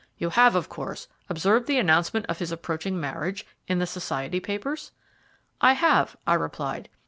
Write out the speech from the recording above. You have, of course, observed the announcement of his approaching marriage in the society papers?" "I have," I replied.